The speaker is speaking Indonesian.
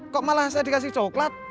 kok malah saya dikasih coklat